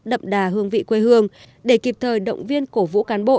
đậm đà hương vị quê hương để kịp thời động viên cổ vũ cán bộ